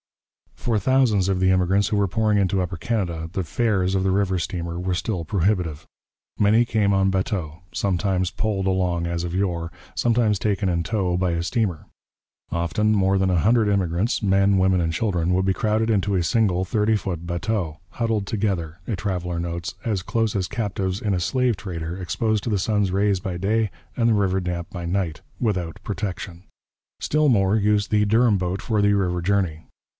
For thousands of the immigrants who were pouring into Upper Canada the fares of the river steamer were still prohibitive. Many came on bateaux, sometimes poled along as of yore, sometimes taken in tow by a steamer. Often more than a hundred immigrants, men, women, and children, would be crowded into a single thirty foot bateau, 'huddled together,' a traveller notes, 'as close as captives in a slave trader, exposed to the sun's rays by day, and the river damp by night, without protection.' Still more used the Durham boat for the river journey.